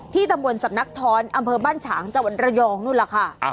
ตำบลสำนักท้อนอำเภอบ้านฉางจังหวัดระยองนู่นล่ะค่ะ